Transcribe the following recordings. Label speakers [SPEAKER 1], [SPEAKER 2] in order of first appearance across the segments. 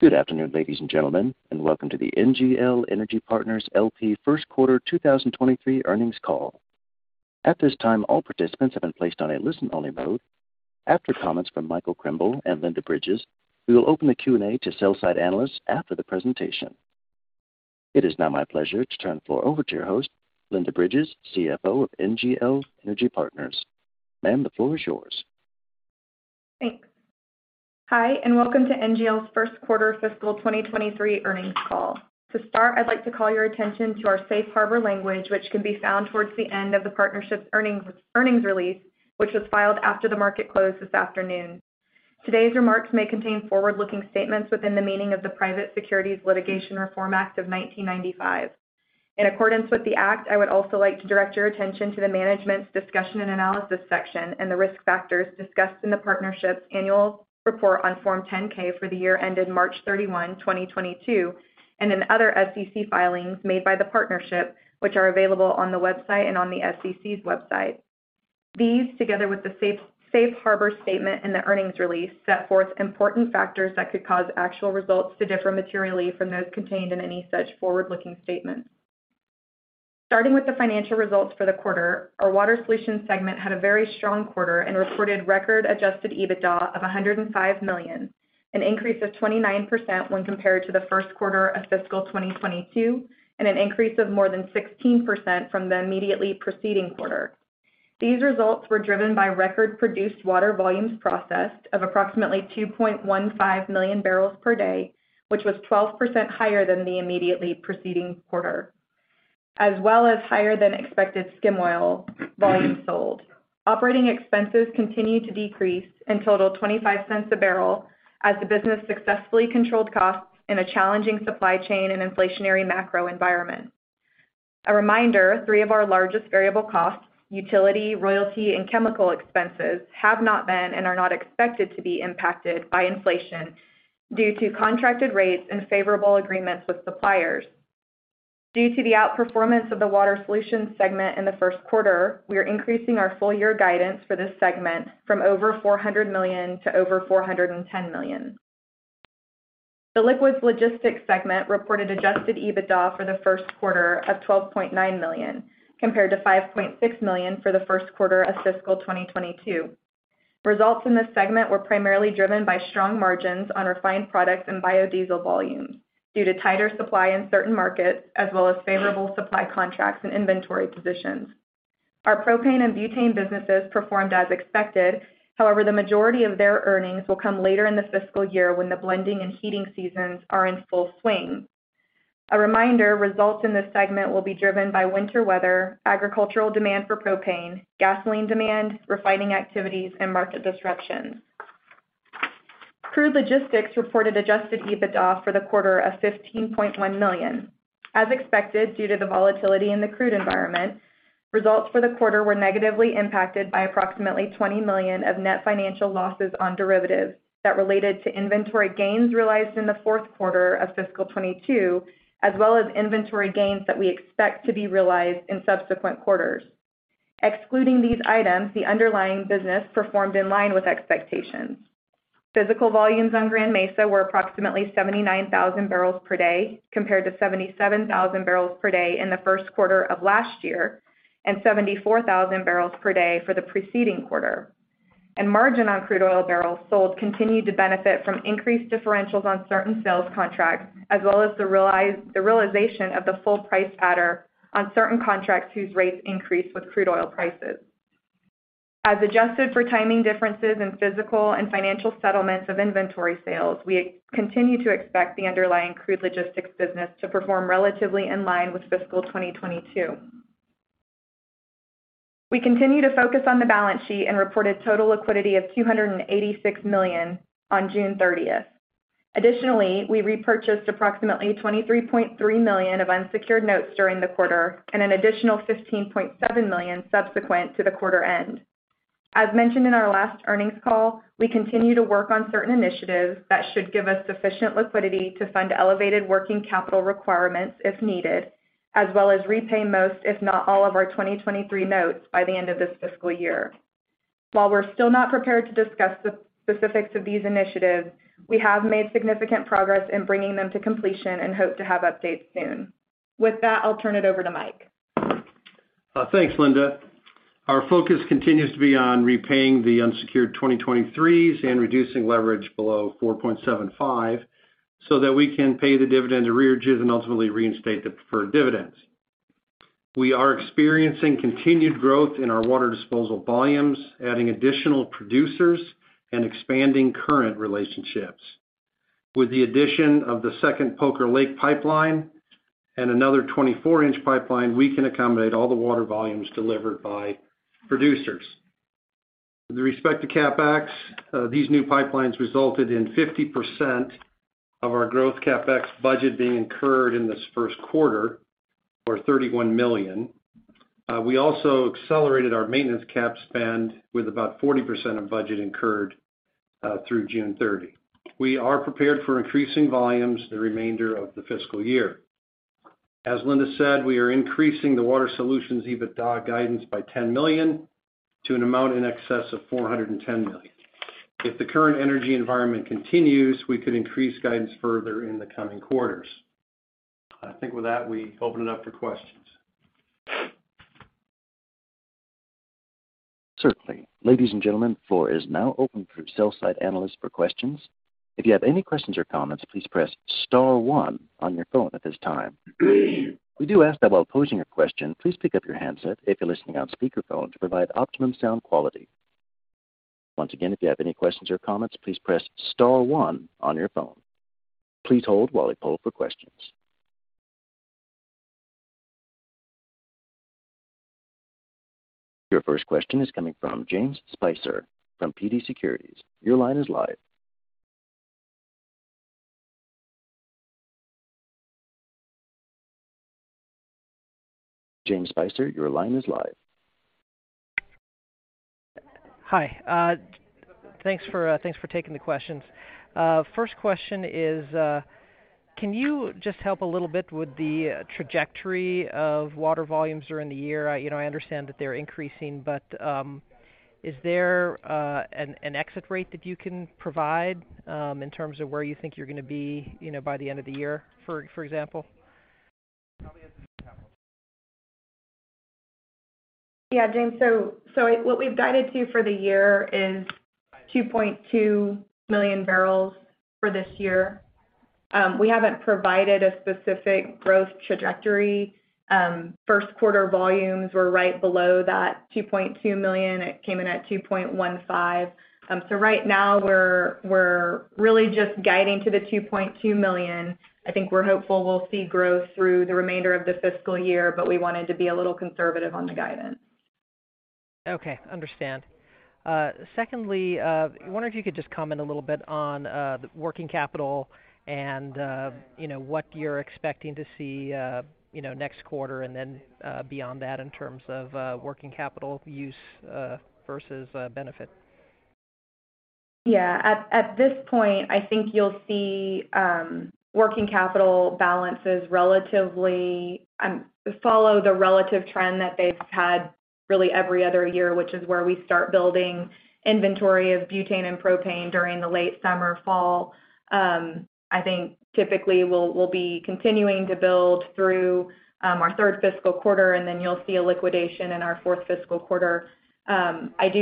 [SPEAKER 1] Good afternoon, ladies and gentlemen, and welcome to the NGL Energy Partners LP First Quarter 2023 earnings call. At this time, all participants have been placed on a listen-only mode. After comments from Michael Krimbill and Linda Bridges, we will open the Q&A to sell-side analysts after the presentation. It is now my pleasure to turn the floor over to your host, Linda Bridges, CFO of NGL Energy Partners. Ma'am, the floor is yours.
[SPEAKER 2] Thanks. Hi, and welcome to NGL's first quarter fiscal 2023 earnings call. To start, I'd like to call your attention to our safe harbor language, which can be found towards the end of the partnership's earnings release, which was filed after the market closed this afternoon. Today's remarks may contain forward-looking statements within the meaning of the Private Securities Litigation Reform Act of 1995. In accordance with the act, I would also like to direct your attention to the management's discussion and analysis section and the risk factors discussed in the partnership's annual report on Form 10-K for the year ended March 31, 2022, and in other SEC filings made by the partnership, which are available on the website and on the SEC's website. These, together with the safe harbor statement and the earnings release, set forth important factors that could cause actual results to differ materially from those contained in any such forward-looking statements. Starting with the financial results for the quarter, our Water Solutions segment had a very strong quarter and reported record adjusted EBITDA of $105 million, an increase of 29% when compared to the first quarter of fiscal 2022, and an increase of more than 16% from the immediately preceding quarter. These results were driven by record produced water volumes processed of approximately 2.15 million barrels per day, which was 12% higher than the immediately preceding quarter, as well as higher than expected skim oil volume sold. Operating expenses continued to decrease and total $0.25 a barrel as the business successfully controlled costs in a challenging supply chain and inflationary macro environment. A reminder, three of our largest variable costs, utility, royalty, and chemical expenses, have not been and are not expected to be impacted by inflation due to contracted rates and favorable agreements with suppliers. Due to the outperformance of the Water Solutions segment in the first quarter, we are increasing our full-year guidance for this segment from over $400 million to over $410 million. The Liquids Logistics segment reported adjusted EBITDA for the first quarter of $12.9 million, compared to $5.6 million for the first quarter of fiscal 2022. Results in this segment were primarily driven by strong margins on refined products and biodiesel volumes due to tighter supply in certain markets, as well as favorable supply contracts and inventory positions. Our propane and butane businesses performed as expected. However, the majority of their earnings will come later in the fiscal year when the blending and heating seasons are in full swing. A reminder, results in this segment will be driven by winter weather, agricultural demand for propane, gasoline demand, refining activities, and market disruptions. Crude Oil Logistics reported adjusted EBITDA for the quarter of $15.1 million. As expected, due to the volatility in the crude environment, results for the quarter were negatively impacted by approximately $20 million of net financial losses on derivatives that related to inventory gains realized in the fourth quarter of fiscal 2022, as well as inventory gains that we expect to be realized in subsequent quarters. Excluding these items, the underlying business performed in line with expectations. Physical volumes on Grand Mesa were approximately 79,000 barrels per day, compared to 77,000 barrels per day in the first quarter of last year and 74,000 barrels per day for the preceding quarter. Margin on crude oil barrels sold continued to benefit from increased differentials on certain sales contracts, as well as the realization of the full price pattern on certain contracts whose rates increased with crude oil prices. As adjusted for timing differences in physical and financial settlements of inventory sales, we continue to expect the underlying crude logistics business to perform relatively in line with fiscal 2022. We continue to focus on the balance sheet and reported total liquidity of $286 million on June 30. Additionally, we repurchased approximately $23.3 million of unsecured notes during the quarter and an additional $15.7 million subsequent to the quarter end. As mentioned in our last earnings call, we continue to work on certain initiatives that should give us sufficient liquidity to fund elevated working capital requirements if needed, as well as repay most, if not all, of our 2023 notes by the end of this fiscal year. While we're still not prepared to discuss the specifics of these initiatives, we have made significant progress in bringing them to completion and hope to have updates soon. With that, I'll turn it over to Mike.
[SPEAKER 3] Thanks, Linda. Our focus continues to be on repaying the unsecured 2023s and reducing leverage below 4.75 so that we can pay the dividend to Class B and ultimately reinstate the preferred dividends. We are experiencing continued growth in our water disposal volumes, adding additional producers and expanding current relationships. With the addition of the second Poker Lake pipeline and another 24-inch pipeline, we can accommodate all the water volumes delivered by producers. With respect to CapEx, these new pipelines resulted in 50% of our growth CapEx budget being incurred in this first quarter, or $31 million. We also accelerated our maintenance CapEx with about 40% of budget incurred through June 30. We are prepared for increasing volumes the remainder of the fiscal year. As Linda said, we are increasing the Water Solutions EBITDA guidance by $10 million to an amount in excess of $410 million. If the current energy environment continues, we could increase guidance further in the coming quarters. I think with that, we open it up for questions.
[SPEAKER 1] Certainly. Ladies and gentlemen, the floor is now open for sell side analysts for questions. If you have any questions or comments, please press star one on your phone at this time. We do ask that while posing your question, please pick up your handset if you're listening on speaker phone to provide optimum sound quality. Once again, if you have any questions or comments, please press star one on your phone. Please hold while we poll for questions. Your first question is coming from James Spicer from TD Securities. Your line is live. James Spicer, your line is live.
[SPEAKER 4] Hi. Thanks for taking the questions. First question is, can you just help a little bit with the trajectory of water volumes during the year? You know, I understand that they're increasing, but, is there an exit rate that you can provide, in terms of where you think you're gonna be, you know, by the end of the year, for example?
[SPEAKER 2] Yeah, James. What we've guided to for the year is 2.2 million barrels for this year. We haven't provided a specific growth trajectory. First quarter volumes were right below that 2.2 million. It came in at 2.15. Right now we're really just guiding to the 2.2 million. I think we're hopeful we'll see growth through the remainder of the fiscal year, but we wanted to be a little conservative on the guidance.
[SPEAKER 4] Okay. Understand. Secondly, wondering if you could just comment a little bit on working capital and, you know, what you're expecting to see, you know, next quarter and then, beyond that in terms of working capital use versus benefit?
[SPEAKER 2] Yeah. At this point, I think you'll see working capital balances relatively follow the relative trend that they've had really every other year, which is where we start building inventory of butane and propane during the late summer, fall. I think typically we'll be continuing to build through our third fiscal quarter and then you'll see a liquidation in our fourth fiscal quarter. Last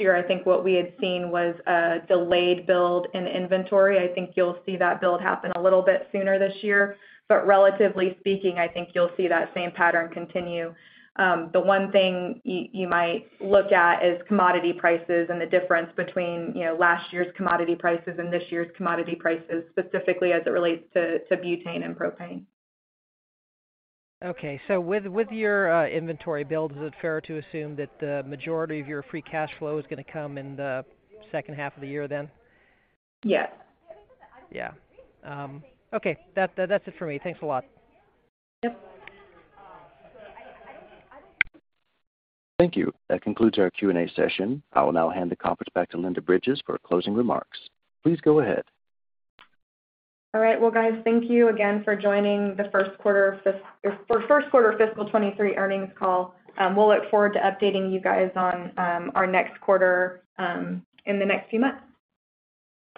[SPEAKER 2] year, I think what we had seen was a delayed build in inventory. I think you'll see that build happen a little bit sooner this year. Relatively speaking, I think you'll see that same pattern continue. The one thing you might look at is commodity prices and the difference between, you know, last year's commodity prices and this year's commodity prices, specifically as it relates to butane and propane.
[SPEAKER 4] Okay. With your inventory build, is it fair to assume that the majority of your free cash flow is gonna come in the second half of the year then?
[SPEAKER 2] Yes.
[SPEAKER 4] Yeah. Okay, that's it for me. Thanks a lot.
[SPEAKER 2] Yep.
[SPEAKER 1] Thank you. That concludes our Q&A session. I will now hand the conference back to Linda Bridges for closing remarks. Please go ahead.
[SPEAKER 2] All right. Well, guys, thank you again for joining the first quarter fiscal 2023 earnings call. We'll look forward to updating you guys on our next quarter in the next few months.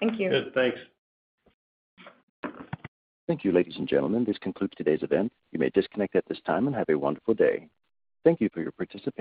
[SPEAKER 2] Thank you.
[SPEAKER 3] Good. Thanks.
[SPEAKER 1] Thank you, ladies and gentlemen. This concludes today's event. You may disconnect at this time, and have a wonderful day. Thank you for your participation.